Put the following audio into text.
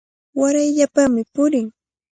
Warayllapami purin.